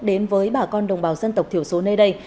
đến với bà con đồng bào dân tộc thiểu số nơi đây